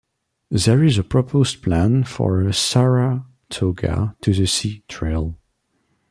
There is a proposed plan for a "Saratoga-to-the-Sea" Trail.